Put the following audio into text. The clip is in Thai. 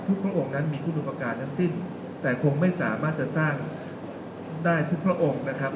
พระองค์นั้นมีคุณอุปการณ์ทั้งสิ้นแต่คงไม่สามารถจะสร้างได้ทุกพระองค์นะครับ